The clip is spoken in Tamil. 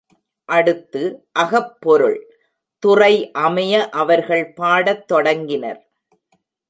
அடுத்து அகப் பொருள் துறை அமைய அவர்கள் பாடத் தொடங்கினர்.